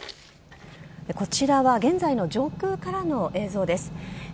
こちらは現在の上空からの映像です。